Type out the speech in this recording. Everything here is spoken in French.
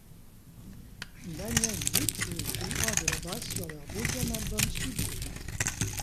Daniel Kvist jouera de la basse sur leur deuxième album studio, '.